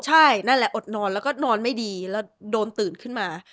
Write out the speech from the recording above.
ใช่นั่นแหละอดนอนแล้วก็นอนไม่ดีแล้วโดนตื่นขึ้นมา